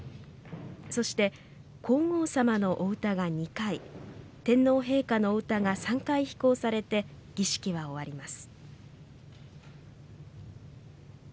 そして、皇后さまのお歌が２回天皇陛下のお歌が３回披講されて儀式は終わります。